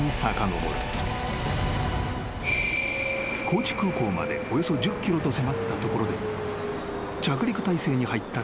［高知空港までおよそ１０ｋｍと迫ったところで着陸体勢に入った機体］